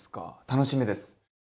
楽しみです！